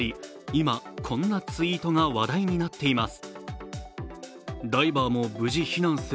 今、こんなツイートが話題になっています。